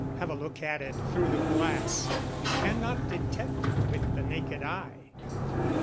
Have a look at it through the glass you cannot detect it with the naked eye."